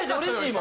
今。